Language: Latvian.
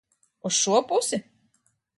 Uz šo pusi?